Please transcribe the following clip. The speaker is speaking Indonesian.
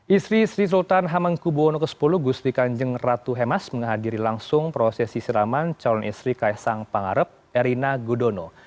istri sri sultan hamengkubwono x gusti kanjeng ratu hemas menghadiri langsung prosesi siraman calon istri kaisang pangarep erina gudono